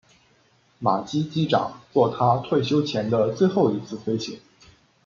马基机长作他退休前的最后一次飞行。